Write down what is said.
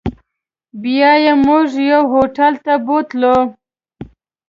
بیا یې موږ یو هوټل ته بوتلو.